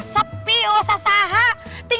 sepi gak ada yang mancing